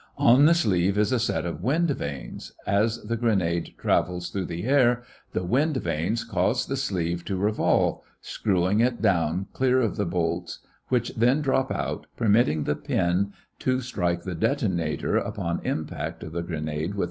On the sleeve is a set of wind vanes, D. As the grenade travels through the air, the wind vanes cause the sleeve C to revolve, screwing it down clear of the bolts B, which then drop out, permitting the pin A to strike the detonator E upon impact of the grenade with its target.